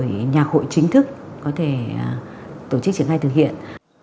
để nhạc hội chính thức có thể tổ chức triển khai thực hiện